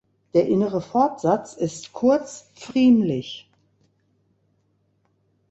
Der innere Fortsatz ist kurz pfriemlich.